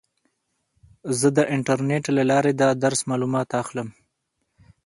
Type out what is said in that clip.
زه د انټرنیټ له لارې د درس معلومات اخلم.